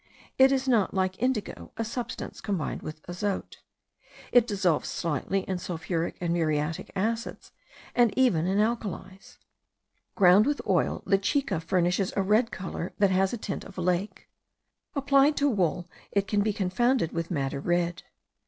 It is not, like indigo, a substance combined with azote. It dissolves slightly in sulphuric and muriatic acids, and even in alkalis. Ground with oil, the chica furnishes a red colour that has a tint of lake. Applied to wool, it might be confounded with madder red.